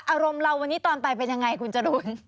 อารมณ์เราวันนี้ตอนไปเป็นยังไงคุณจรูน